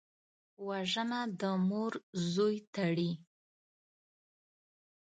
وژنه د مور زوی تړي